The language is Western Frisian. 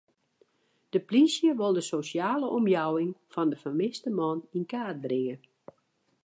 De plysje wol de sosjale omjouwing fan de fermiste man yn kaart bringe.